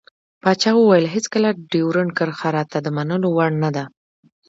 پاچا وويل هېڅکله ډيورند کرښه راته د منلو وړ نه دى.